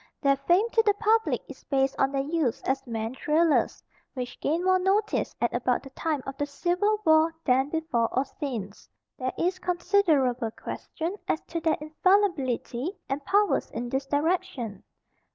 Their fame to the public is based on their use as man trailers, which gained more notice at about the time of the Civil War than before or since. There is considerable question as to their infallibility and powers in this direction.